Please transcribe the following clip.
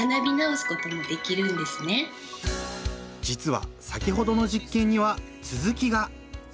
実は先ほどの実験にはつづきが！